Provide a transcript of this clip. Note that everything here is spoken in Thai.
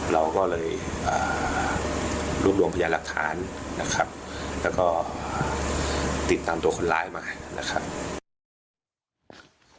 เราก็เลยรวบรวมพยานหลักฐานนะครับแล้วก็ติดตามตัวคนร้ายมานะครับ